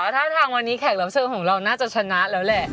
ถ้าทางวันนี้แขกรับเชิญของเราน่าจะชนะแล้วแหละ